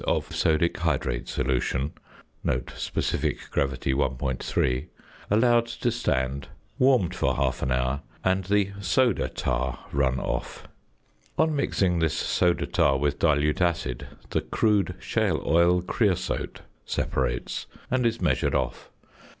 of sodic hydrate solution (sp. g. 1.3), allowed to stand, warmed for half an hour, and the "soda tar" run off. On mixing this soda tar with dilute acid, the "crude shale oil creosote" separates, and is measured off.